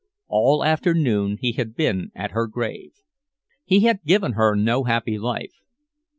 All afternoon he had been at her grave. He had given her no happy life.